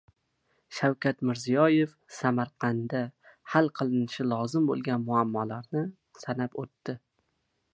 Shavkat Mirziyoyev Samarqandda hal qilinishi lozim bo‘lgan muammolarni sanab o‘tdi